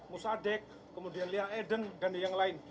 musadek kemudian liang eden dan yang lain